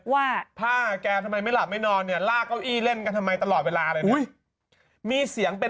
ว่าพ่อแกทำไมไม่หลับไม่นอนเนี่ยลากเก้าอี้เล่นกันทำไมตลอดเวลาเลย